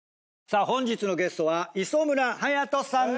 さあ本日のゲストは磯村勇斗さん